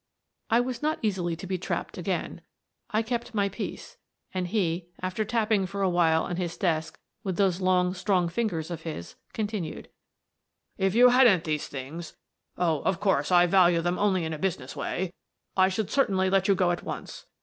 I was not easily to be trapped again: I kept my peace, and he, after tapping for awhile on his desk with those long, strong fingers of his, con tinued: " If you hadn't these things — oh, of course, I value them only in a business way — I should cer tainly let you go at once.